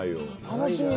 楽しみ。